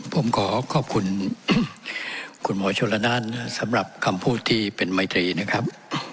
ผมขอขอบคุณคุณหมอชนละนานสำหรับคำพูดที่เป็นไมตรีนะครับ